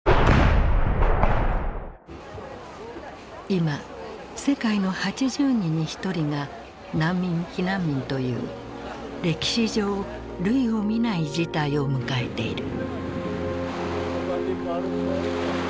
今世界の８０人に一人が難民・避難民という歴史上類を見ない事態を迎えている。